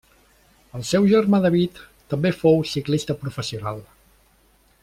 El seu germà David, també fou ciclista professional.